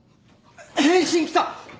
返信来た！